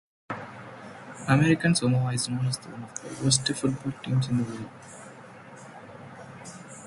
American Samoa is known as one of the worst football teams in the world.